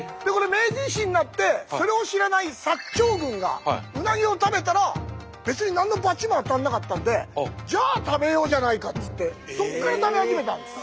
明治維新になってそれを知らない長軍がうなぎを食べたら別に何のバチも当たらなかったんでじゃあ食べようじゃないかっつってそこから食べ始めたんです。